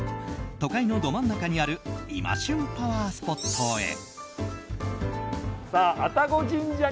都会のど真ん中にある今旬パワースポットへ。